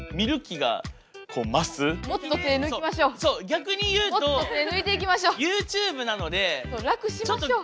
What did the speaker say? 逆に言うとＹｏｕＴｕｂｅなので。